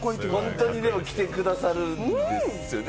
本当に来てくださるんですよね？